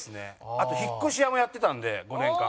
あと引っ越し屋もやってたんで５年間。